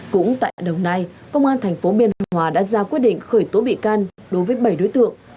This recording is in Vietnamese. cũng tại đồng nai công an thành phố biên hòa đã ra quyết định khởi tố bị can đối với bảy đối tượng